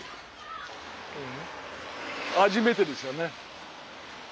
初めてですよね。